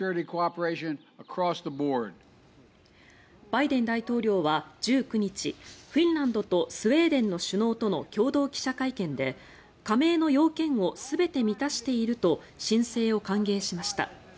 バイデン大統領は１９日フィンランドとスウェーデンの首脳との共同記者会見で加盟の要件を全て満たしていると申請を歓迎しました。